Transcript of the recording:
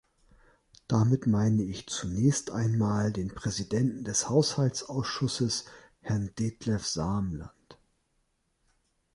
Damit meine ich zunächst einmal den Präsidenten des Haushaltsausschusses, Herrn Detlev Samland.